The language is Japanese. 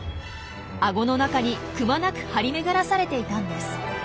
アゴの中にくまなく張り巡らされていたんです。